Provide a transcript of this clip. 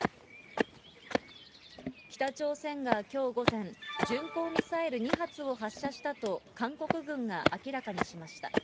北朝鮮がきょう午前、巡航ミサイル２発を発射したと、韓国軍が明らかにしました。